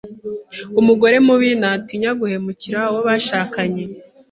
umugore mubi ntatinya guhemukira uwo bashakanye